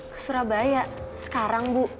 ke surabaya sekarang bu